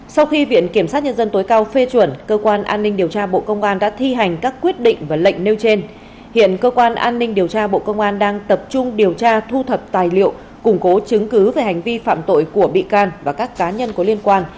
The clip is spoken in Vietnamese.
sau khi viện kiểm sát nhân dân tối cao phê chuẩn cơ quan an ninh điều tra bộ công an đã thi hành các quyết định và lệnh nêu trên hiện cơ quan an ninh điều tra bộ công an đang tập trung điều tra thu thập tài liệu củng cố chứng cứ về hành vi phạm tội của bị can và các cá nhân có liên quan